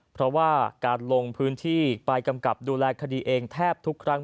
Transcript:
เพราะว่าการลงพื้นที่ไปกำกับดูแลคดีเองแทบทุกครั้ง